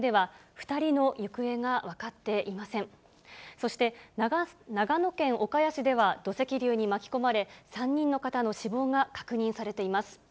そして、長野県岡谷市では、土石流に巻き込まれ、３人の方の死亡が確認されています。